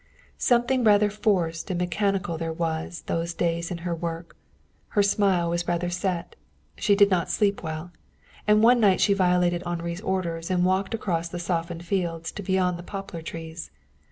Something rather forced and mechanical there was those days in her work. Her smile was rather set. She did not sleep well. And one night she violated Henri's orders and walked across the softened fields to beyond the poplar trees.